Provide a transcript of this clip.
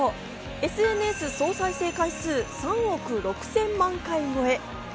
ＳＮＳ総再生回数、３億６０００万回超え。